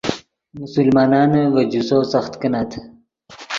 مسلمانانے ڤے جوسو سخت کینت